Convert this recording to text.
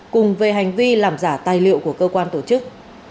cùng về hành vi làm giả tài liệu của cơ quan tổ chức